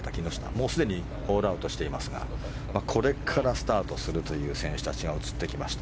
もうすでにホールアウトしていますがこれからスタートするという選手たちが映ってきました。